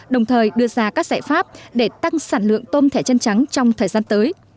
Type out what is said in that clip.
đồng thời đưa ra các giải pháp để tăng sản lượng tôm thẻ chân trắng trong thời gian tới